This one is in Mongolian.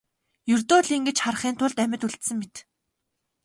Ердөө л ингэж харахын тулд амьд үлдсэн мэт.